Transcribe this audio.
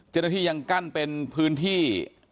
เจ้าหน้าที่ยังกั้นเป็นพื้นที่